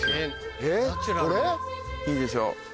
いいでしょ。